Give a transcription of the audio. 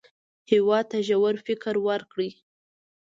هېواد ته ژور فکر ورکړئ